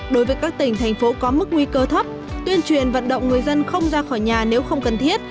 đối với các tỉnh thành phố có mức nguy cơ thấp tuyên truyền vận động người dân không ra khỏi nhà nếu không cần thiết